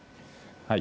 はい。